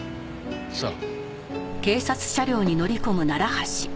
さあ。